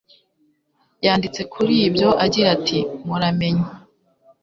yanditse kuri ibyo agira ati muramenye